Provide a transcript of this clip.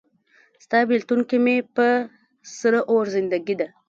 ستا بیلتون کې مې په سره اور زندګي ده